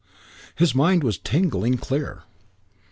His mind was tingling clear.